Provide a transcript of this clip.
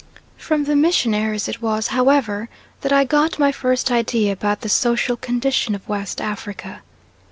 From the missionaries it was, however, that I got my first idea about the social condition of West Africa.